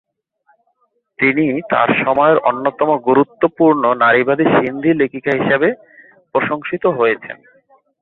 তিনি তাঁর সময়ের অন্যতম গুরুত্বপূর্ণ নারীবাদী সিন্ধি লেখিকা হিসাবে প্রশংসিত হয়েছেন।